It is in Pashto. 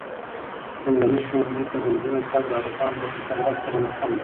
لومړني ښوونځي ته د نجونو تګ د هلکانو په پرتله لس سلنه کم دی.